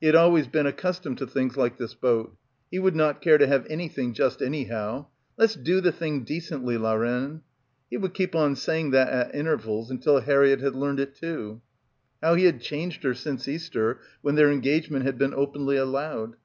He had always been accustomed to things like this boat. He would not care to have anything just anyhow. "Let's do the thing decently, la reine." He would keep on saying that at inter vals until Harriett had learned too. How he had changed her since Easter when their engagement had been openly allowed.